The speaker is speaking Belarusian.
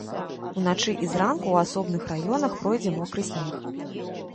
Уначы і зранку ў асобных раёнах пройдзе мокры снег.